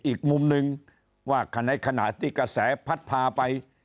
อีกมุมนึงว่าขณะตี้กระแสพัดผ่าไป